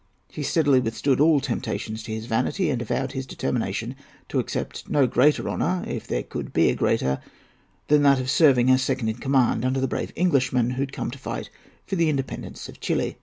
He steadily withstood all temptations to his vanity, and avowed his determination to accept no greater honour—if there could be a greater—than that of serving as second in command under the brave Englishman who had come to fight for the independence of Chili.